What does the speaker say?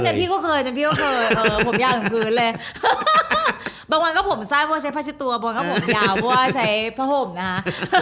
แต่พี่ก็เคยผมยาวกลางคืนเลยบางวันก็ผมส้ายเพราะว่าใช้ผ้าชิ้นตัวบางวันก็ผมยาวเพราะว่าใช้ผ้าห่มนะคะ